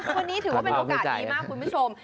วันนี้ถือว่าเป็นโอกาสดีมากคุณผู้ชม